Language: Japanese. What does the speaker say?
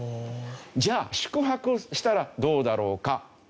じゃあ宿泊をしたらどうだろうか？